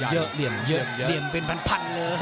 โหเรียมเยอะเรียมเยอะ